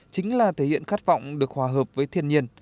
chính là thể hiện khát vọng được hòa hợp với thiên nhiên